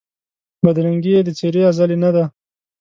بدرنګي یې د څېرې ازلي نه ده